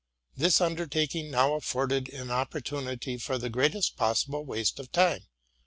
This undertaking now afforded an opportunity for the greatest possible waste of time.